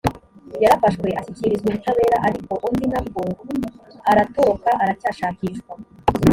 yarafashwe ashyikirizwa ubutabera ariko undi nabwo aratoroka aracyashakishwa